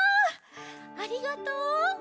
ありがとう！